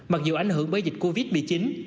mặc dù ảnh hưởng bởi dịch covid bị chín